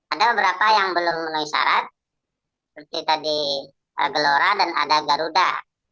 ada beberapa yang belum menuhi syarat seperti tadi gelora dan ada garuda